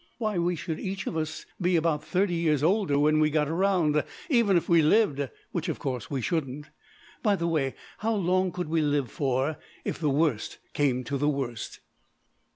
Why, we should each of us be about thirty years older when we got round, even if we lived, which, of course, we shouldn't. By the way, how long could we live for, if the worst came to the worst?"